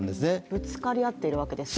ぶつかり合っているわけですか。